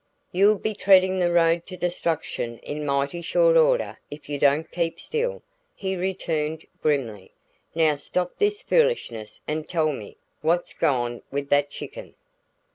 "You'll be treading the road to destruction in mighty short order if you don't keep still," he returned grimly. "Now stop this foolishness and tell me what's gone with that chicken."